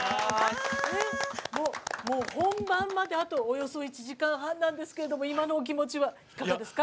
本番までおよそ１時間半ですが今のお気持ちはいかがですか？